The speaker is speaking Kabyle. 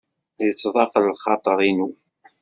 Yettḍaq lxaḍer-inu.